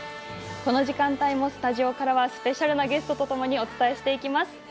この時間帯もスタジオからスペシャルなゲストとお伝えしていきます。